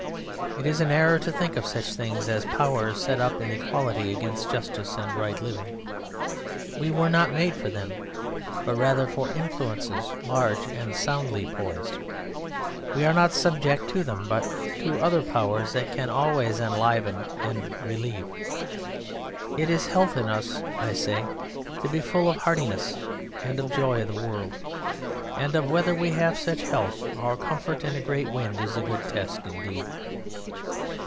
It is an error to think of such things as power set up in equality against justice and right living. We were not made for them, but rather for influences large and soundly poised; we are not subject to them but to other powers that can always enliven and relieve. It is health in us, I say, to be full of heartiness and of the joy of the world, and of whether we have such health our comfort in a great wind is a good test indeed.